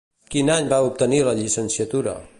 Quin any va obtenir la llicenciatura?